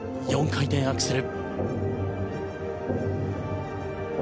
４回転アクセル！